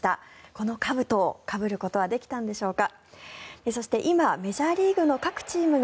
このかぶとをかぶることはできたんでしょうか。